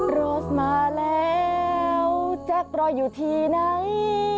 รถมาแล้วแจ็ครออยู่ที่ไหน